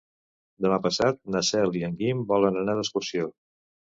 Demà passat na Cel i en Guim volen anar d'excursió.